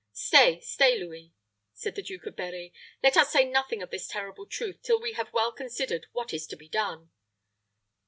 "Stay, stay, Louis," said the Duke of Berri. "Let us say nothing of this terrible truth till we have well considered what is to be done."